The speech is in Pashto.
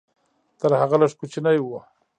تر هغه لږ کوچنی و.